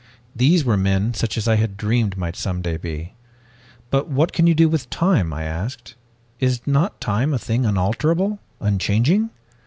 These were men such as I had dreamed might some day be. 'But what can you do with time?' I asked. 'Is not time a thing unalterable, unchanging?'